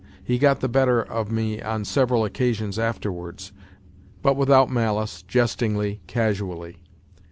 He got the better of me on several occasions afterwards, but without malice, jestingly, casually.